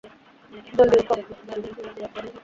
জলদি, উঠ!